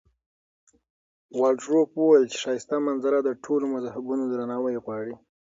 والډروف وویل چې ښایسته منظره د ټولو مذهبونو درناوی غواړي.